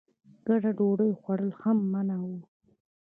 ګډ ډوډۍ خوړل هم منع وو.